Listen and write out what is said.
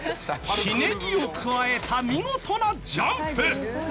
ひねりを加えた見事なジャンプ！